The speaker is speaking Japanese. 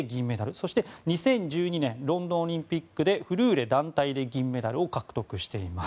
そして２０１２年ロンドンオリンピックでフルーレ団体で銀メダルを獲得しています。